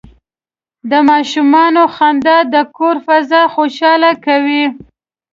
د ماشومانو خندا د کور فضا خوشحاله کوي.